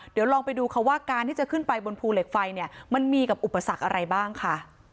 เดี๋ยวลองไปดูค่ะว่าการที่จะขึ้นไปบนภูเหล็กไฟเนี่ยมันมีกับอุปสรรคอะไรบ้างค่ะ